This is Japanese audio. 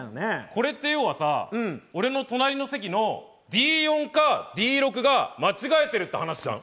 これって要は俺の隣の席のＤ４かＤ６が間違えてるって話じゃん。